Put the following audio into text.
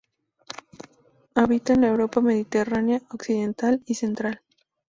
Habita en la Europa mediterránea occidental y central.